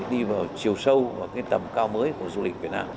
đi vào chiều sâu và cái tầm cao mới của du lịch việt nam